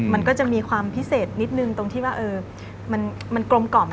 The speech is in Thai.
มันก็จะมีความพิเศษนิดนึงตรงที่ว่ามันกลมกล่อม